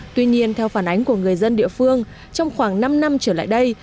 tuy nhiên theo phản ánh của người dân địa phương trong khoảng năm năm trở lại đây